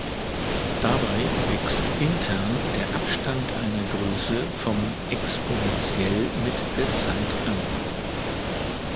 Dabei wächst intern der Abstand einer Größe vom exponentiell mit der Zeit an.